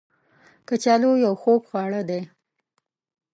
کچالو یو خوږ خواړه دی